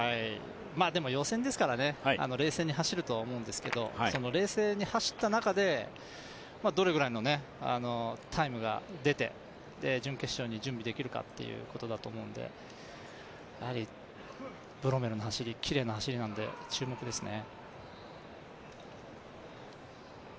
でも、予選ですからね、冷静に走ると思うんですけどその冷静に走った中でどれぐらいのタイムが出て、準決勝に準備できるかってことだと思うのでやはりブロメルの走り、きれいな走りなので注目ですね。